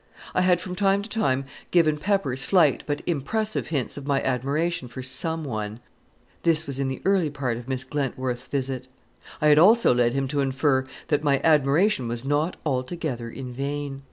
I had from time to time given Pepper slight but impressive hints of my admiration for Some One (this was in the early part of Miss Glentworth's visit); I had also led him to infer that my admiration was not altogether in vain.